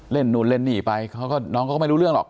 น้องก็เล่นหนีไปน้องเขาก็ไม่รู้เรื่องหรอก